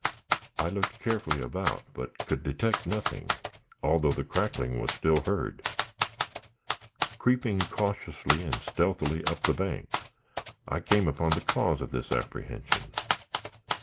I looked carefully about, but could detect nothing, although the crackling was still heard. Creeping cautiously and stealthily up the bank, I came upon the cause of this apprehension.